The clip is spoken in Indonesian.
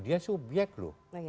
dia subyek loh